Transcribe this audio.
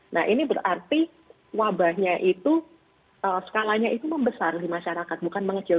nah ini berarti wabahnya itu skalanya itu membesar di masyarakat bukan mengecil